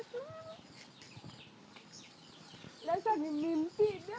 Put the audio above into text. terima kasih ibu